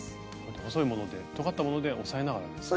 細い物でとがった物で押さえながらですかね？